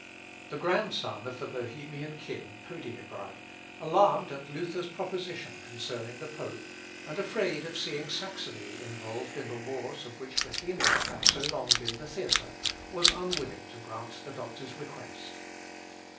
The grandson of the Bohemian king, Podiebrad, alarmed at Luther's proposition concerning the pope, and afraid of seeing Saxony involved in the wars of which Bohemia had so long been the theatre, was unwilling to grant the doctor's request.